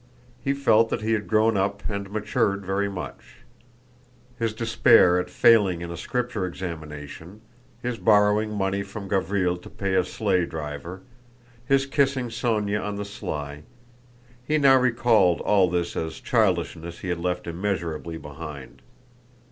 He felt that he had grown up and matured very much. His despair at failing in a Scripture examination, his borrowing money from Gavríl to pay a sleigh driver, his kissing Sónya on the sly—he now recalled all this as childishness he had left immeasurably behind.